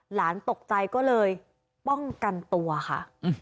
หลานตกใจก็เลยป้องกันตัวค่ะ